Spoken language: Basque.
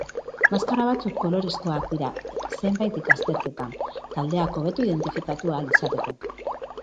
Maskara batzuk kolorezkoak dira zenbait ikastetxetan, taldeak hobeto identifikatu ahal izateko.